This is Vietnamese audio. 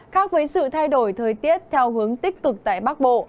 khác với sự thay đổi thời tiết theo hướng tích cực tại bắc bộ